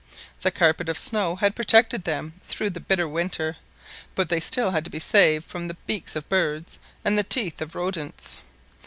The carpet of snow had protected them through the bitter winter; but they had still to be saved from the beaks of birds and the teeth of rodents.